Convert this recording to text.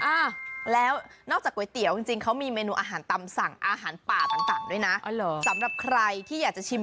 อ่าแล้วนอกจากก๋วยเตี๋ยวจริงจริงเขามีเมนูอาหารตำสั่งอาหารป่าต่างด้วยนะอ๋อเหรอสำหรับใครที่อยากจะชิม